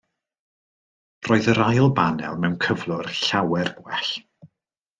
Roedd yr ail banel mewn cyflwr llawer gwell.